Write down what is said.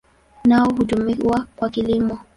Nao hutumiwa kwa kilimo.